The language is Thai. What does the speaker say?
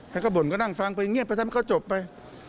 แค่เขาบ่นก็นั่งฟังไปเงียบไปซะไม่เขาจบไป